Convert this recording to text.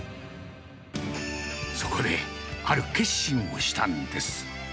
そこで、ある決心をしたんです。